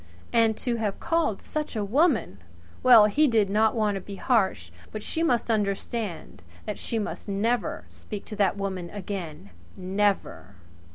And to have called such a woman! Well, really he did not want to be harsh; but she must understand that she must never speak to the woman again. Never!